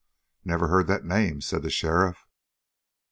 "Never heard that name," said the sheriff.